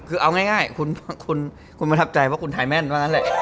คือเอาง่ายคุณบรรทับใจเพราะคุณถ่ายแม่นต์ตอนนั้นแหละ